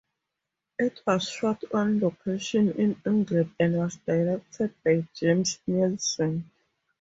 It was shot on location in England and was directed by James Neilson.